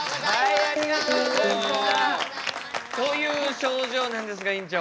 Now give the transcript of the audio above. はいありがとうございました！という症状なんですが院長。